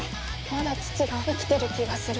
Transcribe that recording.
まだ父が生きてる気がする。